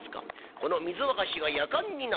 「この水沸かしがやかんになった。